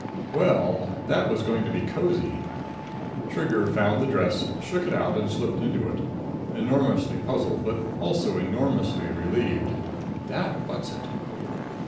Well, that was going to be cosy! Trigger found the dress, shook it out and slipped into it, enormously puzzled but also enormously relieved. That Whatzzit!